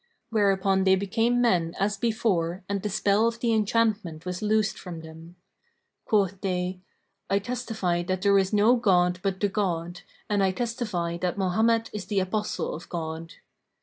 Whereupon they became men as before and the spell of the enchantment was loosed from them. Quoth they, "I testify that there is no god but the God and I testify that Mohammed is the Apostle of God!"